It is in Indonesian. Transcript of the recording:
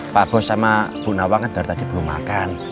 pak bos sama bu nawang tadi belum makan